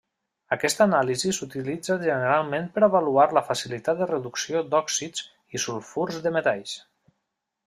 Aquesta anàlisi s'utilitza generalment per avaluar la facilitat de reducció d'òxids i sulfurs de metalls.